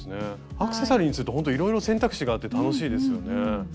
アクセサリーにするとほんといろいろ選択肢があって楽しいですよね。